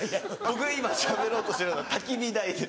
僕今しゃべろうとしてるのはたき火台です。